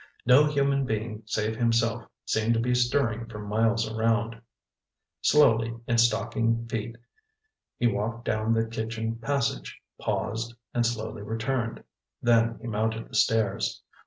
No human being save himself seemed to be stirring for miles around. Slowly, in stocking feet, he walked down the kitchen passage, paused, and slowly returned. Then he mounted the stairs.